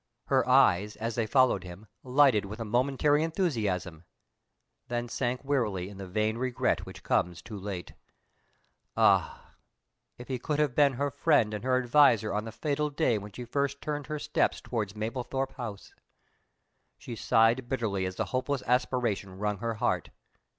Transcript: Her eyes, as they followed him, lighted with a momentary enthusiasm then sank wearily in the vain regret which comes too late. Ah! if he could have been her friend and her adviser on the fatal day when she first turned her steps toward Mablethorpe House! She sighed bitterly as the hopeless aspiration wrung her heart.